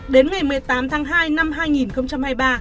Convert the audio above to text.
đến ngày một mươi tám tháng hai năm hai nghìn hai mươi ba